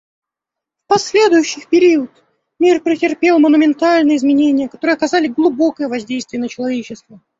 В последующий период мир претерпел монументальные изменения, которые оказали глубокое воздействие на человечество.